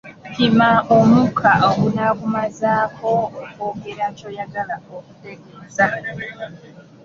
Pima omukka ogunaakumazaako okwogera ky'oyagala okutegeeza.